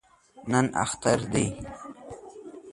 نن اختر دی